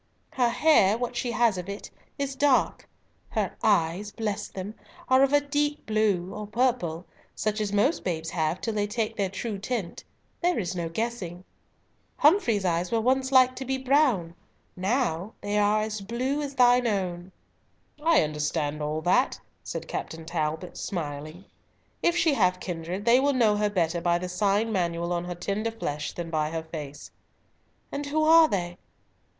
"Her hair, what she has of it, is dark; her eyes—bless them—are of a deep blue, or purple, such as most babes have till they take their true tint. There is no guessing. Humfrey's eyes were once like to be brown, now are they as blue as thine own." "I understand all that," said Captain Talbot, smiling. "If she have kindred, they will know her better by the sign manual on her tender flesh than by her face." "And who are they?"